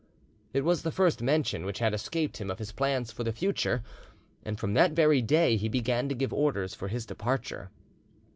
It was the first mention which had escaped him of his plans for the future, and from that very day he began to give orders for his departure.